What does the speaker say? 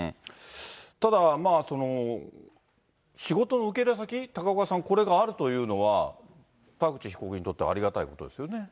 ただ、仕事の受け入れ先、高岡さん、これがあるというのは、田口被告にとってはありがたいことですよね。